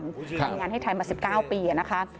ทำงานให้ไทยมา๑๙ปีนะคะ